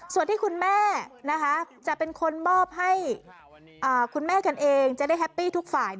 ส่วนที่คุณแม่นะคะจะเป็นคนมอบให้คุณแม่กันเองจะได้แฮปปี้ทุกฝ่าย